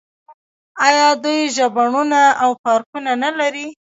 آیا دوی ژوبڼونه او پارکونه نلري؟